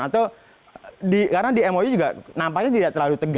atau karena di mou juga nampaknya tidak terlalu tegas